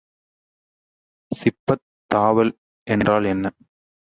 சிப்பத் தாவல் என்றால் என்ன?